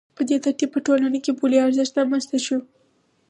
په دې ترتیب په ټولنه کې پولي ارزښت رامنځته شو